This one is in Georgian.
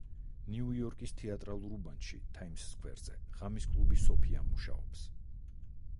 ნიუ-იორკის თეატრალურ უბანში თაიმს სქვერზე ღამის კლუბი “სოფია“ მუშაობს.